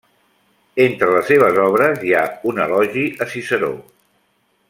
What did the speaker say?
Entre les seves obres hi ha un elogi a Ciceró.